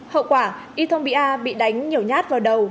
hậu quả y thông bia bị đánh nhổ nhát vào đầu